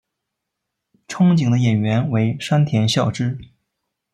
憧憬的演员为山田孝之。